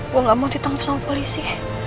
gue gak mau ditangkap sama polisi